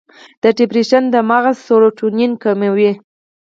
د ډیپریشن د مغز سیروټونین کموي.